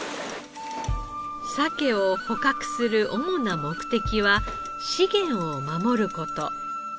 サケを捕獲する主な目的は資源を守る事。